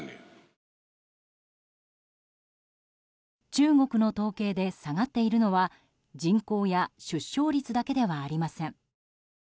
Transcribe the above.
中国の統計で下がっているのは人口や出生率だけではありません。